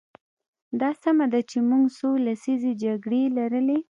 دا سمه ده چې موږ څو لسیزې جګړې لرلې.